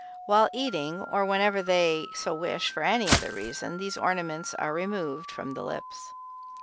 While eating, or whenever they so wish for any other reason, these ornaments are removed from the lips."